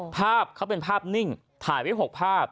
ภาพเขาเป็นภาพนิ่งถ่ายไว้๖ภาพ